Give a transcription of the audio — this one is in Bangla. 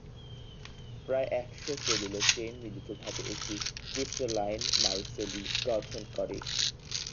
এদের মধ্যে নরওয়ে ও সুইডেন স্ক্যান্ডিনেভীয় উপদ্বীপ গঠন করেছে।